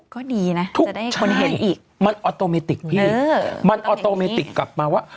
ก็ดีนะทุกคนเห็นอีกมันออโตเมติกพี่มันออโตเมติกกลับมาว่า